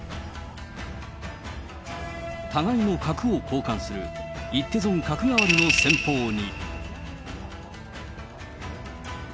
互いの角を交換する、一手損角換わりの戦法に。